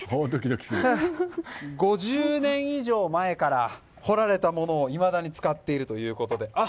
５０年以上前から掘られたものをいまだに使っているということで。